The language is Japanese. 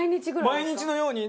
毎日のように。